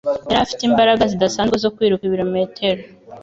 Yari afite imbaraga zihagije zo kwiruka ibirometero